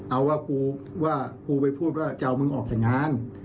เอาว่ากูว่ากูไปพูดว่าจะเอามึงออกจากงาน